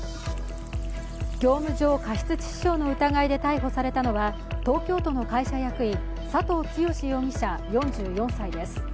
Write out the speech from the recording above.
業務上過失致死傷の疑いで逮捕されたのは、東京都の会社役員、佐藤剛容疑者４４歳です。